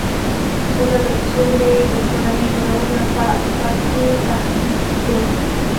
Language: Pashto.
سوله د سولې د کورنۍ جوړولو لپاره اساسي تهدید دی.